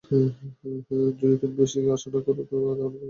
যদি তুমি বেশি আশা না করো, তাহলে তুমি কখনোই হতাশ হবে না।